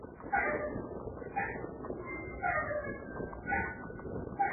• نه هیڅ خت ورته قسمت هسي خندلي -